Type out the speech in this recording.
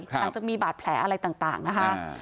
ตามจะมีบาดแผลอะไรต่างนะคะ